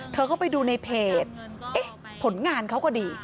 เธอก็ไปดูในเพจผลงานเขาก็ดี